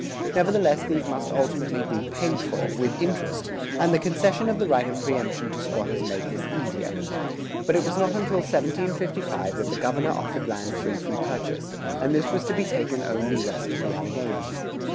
[101:4] Nevertheless these must ultimately be paid for, with interest, and the concession of the right of preëmption to squatters made this easier. But it was not until 1755 that the governor offered land free from purchase, and this was to be taken only west of the Alleghanies.